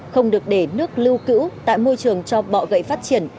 không được để nước lưu cữ tại môi trường cho bọ gậy phát triển